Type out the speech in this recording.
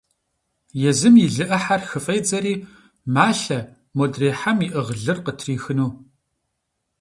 Езым и лы Ӏыхьэр хыфӀедзэри, малъэ, модрей хьэм иӀыгъ лыр къытрихыну.